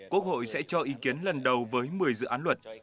quốc hội sẽ cho ý kiến lần đầu với một mươi dự án luật